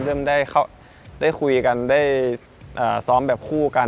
เริ่มได้คุยกันได้ซ้อมแบบคู่กัน